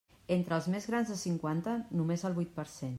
Entre els més grans de cinquanta, només el vuit per cent.